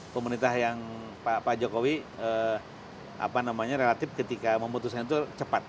pemerintah yang pak jokowi relatif ketika memutuskan itu cepat